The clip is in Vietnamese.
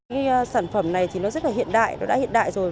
cái sản phẩm này thì nó rất là hiện đại nó đã hiện đại rồi